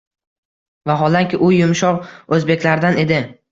Vaholanki, u “yumshoq” oʻzbeklardan edi.